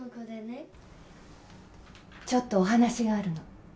ちょっとお話があるの。